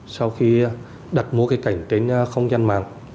sau khi đặt mua cây cảnh trên không gian mạng